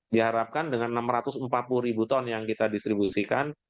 diharapkan dengan enam ratus empat puluh ribu ton yang kita distribusikan